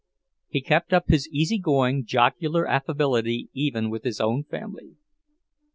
He kept up his easy going, jocular affability even with his own family.